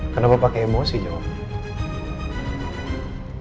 kenapa pakai emosi jawab